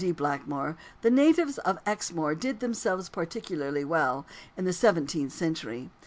D. Blackmore, the natives of Exmoor did themselves particularly well, in the seventeenth century.